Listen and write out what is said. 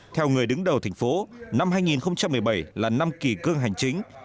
theo người đứng đầu thành phố năm hai nghìn một mươi bảy là năm kỳ cương hành chính